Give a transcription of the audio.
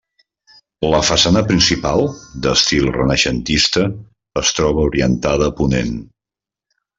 La façana principal, d'estil renaixentista, es troba orientada a ponent.